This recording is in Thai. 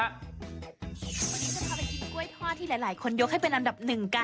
วันนี้จะพาไปกินกล้วยทอดที่หลายคนยกให้เป็นอันดับหนึ่งกัน